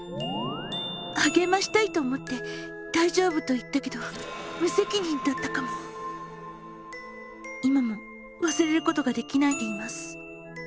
励ましたいと思って「大丈夫」と言ったけど今もわすれることができないでいます。